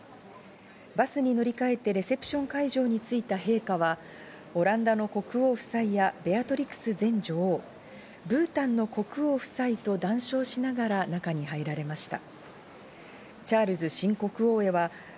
バスに乗り換えて、レセプション会場に着いた陛下は、オランダの国王夫妻や、ベアトリクス前女王、ブータンの国王夫妻と談笑しながら、中に入られました。